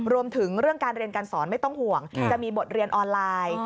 รวมถึงเรื่องการเรียนการสอนไม่ต้องห่วงจะมีบทเรียนออนไลน์